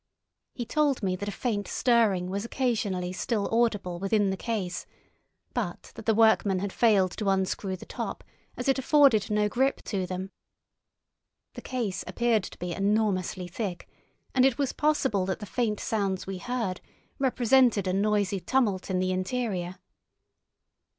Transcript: He told me that a faint stirring was occasionally still audible within the case, but that the workmen had failed to unscrew the top, as it afforded no grip to them. The case appeared to be enormously thick, and it was possible that the faint sounds we heard represented a noisy tumult in the interior.